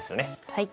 はい。